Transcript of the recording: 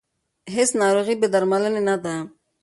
هیڅ ناروغي بې درملنې نه ده.